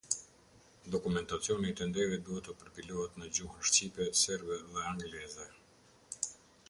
Dokumentacioni i tenderit duhet të përpilohet në gjuhën shqipe, serbe dhe angleze.